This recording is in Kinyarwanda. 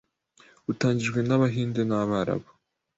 butangijwe n’aba Bahinde n’Abarabu.